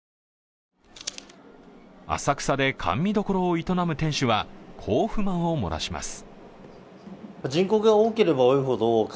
浅草で甘味どころを営む店主はこう不満を漏らします。